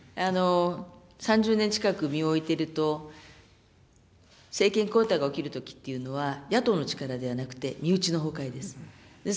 ３０年近く身を置いていると、政権交代が起きるときっていうのは、野党の力ではなくて身内の崩壊です。